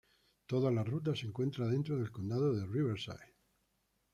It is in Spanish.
Toda la ruta se encuentra dentro del condado de Riverside.